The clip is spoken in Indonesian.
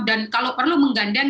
dan kalau perlu menggandeng